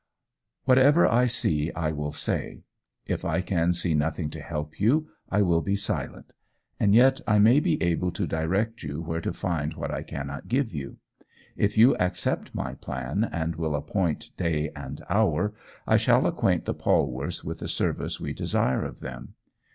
Whatever I see I will say. If I can see nothing to help you, I will be silent. And yet I may be able to direct you where to find what I cannot give you. If you accept my plan, and will appoint day and hour, I shall acquaint the Polwarths with the service we desire of them.